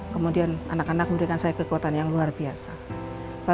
kemudian anak anak memberikan saya kekuatan yang luar biasa